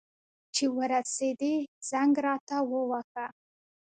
چي ورسېدې، زنګ راته ووهه.